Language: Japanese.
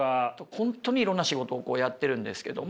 本当にいろんな仕事をやってるんですけども。